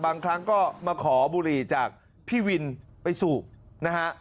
บางครั้งก็มาขอบุหรี่จากพี่วินไปสูบนะฮะ